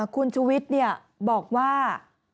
คุณชุวิตบอกว่า